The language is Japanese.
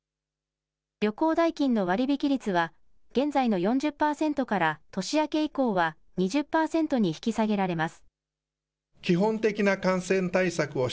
旅行代金の割り引き率は現在の４０％から年明け以降は２０％に引き下げられます。